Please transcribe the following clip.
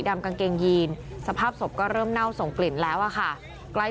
กางเกงยีนสภาพศพก็เริ่มเน่าส่งกลิ่นแล้วอะค่ะใกล้